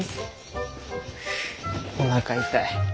おなか痛い。